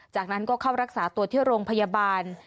จากนั้นก็เข้ารักษาตัวที่โรงพยาบาล